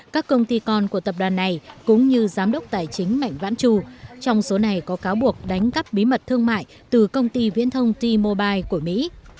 các công ty con của tập đoàn này cũng như giám đốc tài chính mạnh vãn trù trong số này có cáo buộc đánh cắp bí mật thương mại từ công ty viễn thông t mobile của mỹ